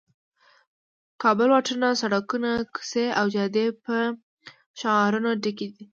د کابل واټونه، سړکونه، کوڅې او جادې په شعارونو ډک دي.